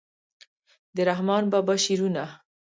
د رحمان بابا شعرونه